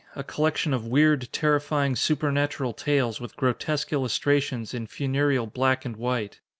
A collection of weird, terrifying, supernatural tales with grotesque illustrations in funereal black and white.